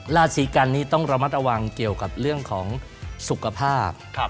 ราศีกันนี้ต้องระมัดระวังเกี่ยวกับเรื่องของสุขภาพ